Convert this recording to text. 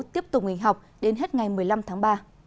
tiếp tục nghỉ học đến hết ngày một mươi năm tháng ba